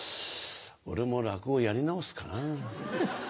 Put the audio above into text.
俺も落語やり直すかな。